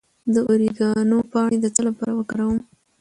د اوریګانو پاڼې د څه لپاره وکاروم؟